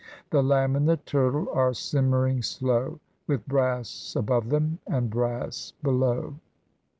The lamb and the turtle are simmering slow With brass above them and brass below."